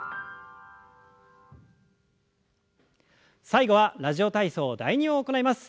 最後は「ラジオ体操第２」を行います。